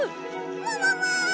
ももも！